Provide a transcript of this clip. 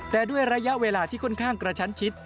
แต่ด้วยระยะเวลาที่ค่อนข้างกระชั้นชิด